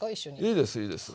いいですいいです。